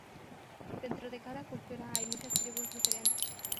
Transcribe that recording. Dentro de cada cultura hay muchas tribus diferentes.